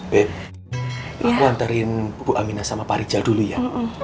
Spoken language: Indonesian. beb aku antarin bu aminah sama parijal dulu ya